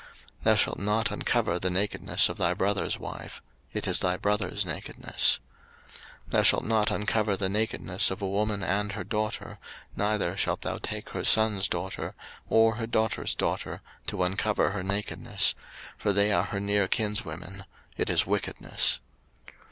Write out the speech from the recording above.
03:018:016 Thou shalt not uncover the nakedness of thy brother's wife: it is thy brother's nakedness. 03:018:017 Thou shalt not uncover the nakedness of a woman and her daughter, neither shalt thou take her son's daughter, or her daughter's daughter, to uncover her nakedness; for they are her near kinswomen: it is wickedness.